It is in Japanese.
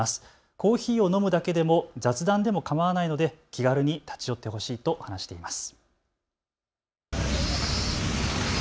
コーヒーを飲むだけでも雑談でもかまわないので気軽に立ち寄ってほしいと話しています。